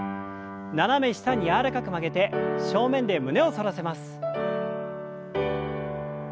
斜め下に柔らかく曲げて正面で胸を反らせます。